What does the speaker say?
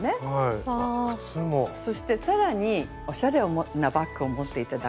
そして更におしゃれなバッグを持って頂く。